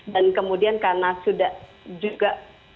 dan kemudian karena sudah juga